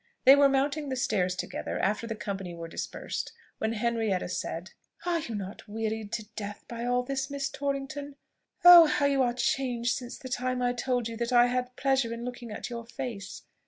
They were mounting the stairs together after the company were dispersed, when Henrietta said, "Are you not wearied to death by all this, Miss Torrington? Oh, how you are changed since the time I told you that I had pleasure in looking at your face!